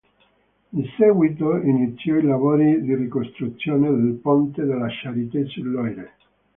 In seguito iniziò i lavori di ricostruzione del ponte de La Charité-sur-Loire.